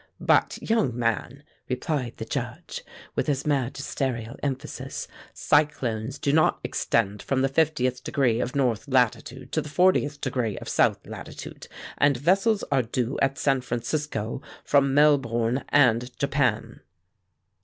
"But, young man," replied the Judge, with his majesterial emphasis, "cyclones do not extend from the fiftieth degree of north latitude to the fortieth degree of south latitude, and vessels are due at San Francisco from Melbourne and Japan."